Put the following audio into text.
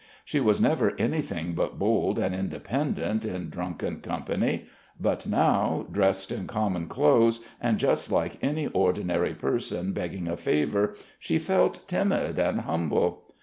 She was never anything but bold and independent in drunken company; but now, dressed in common clothes, and just like any ordinary person begging a favour, she felt timid and humble.